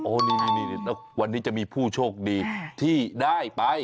โอ้นี่วันนี้จะมีผู้โชคดีที่ได้ไป